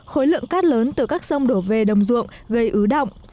khối lượng cát lớn từ các sông đổ về đồng ruộng gây ứ động